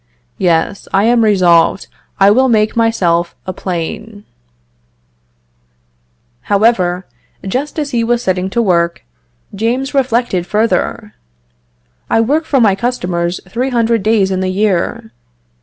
Yes! I am resolved, I will make myself a plane." However, just as he was setting to work, James reflected further: "I work for my customers 300 days in the year.